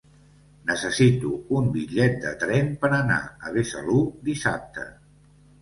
Necessito un bitllet de tren per anar a Besalú dissabte.